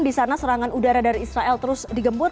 di sana serangan udara dari israel terus digembur